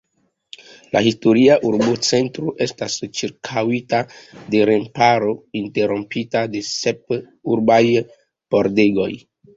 La historia urbocentro estas ĉirkaŭita de remparo, interrompita de sep urbaj pordegoj.